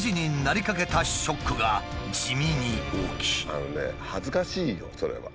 あのね恥ずかしいよそれは。